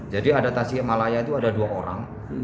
jadi ada tasikmalaya itu ada dua orang